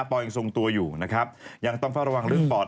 ยังทรงตัวอยู่นะครับยังต้องเฝ้าระวังเรื่องปอด